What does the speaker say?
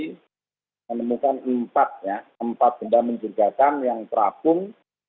kami menemukan empat benda menjeljahkan yang terakung